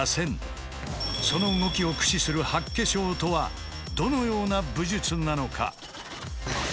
その動きを駆使する八卦掌とはどのような武術なのか？